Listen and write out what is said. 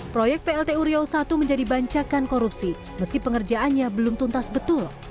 proyek plt uriau i menjadi bancakan korupsi meski pengerjaannya belum tuntas betul